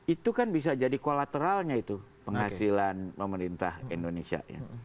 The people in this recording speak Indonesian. itu kan bisa jadi kolateralnya itu penghasilan pemerintah indonesia ya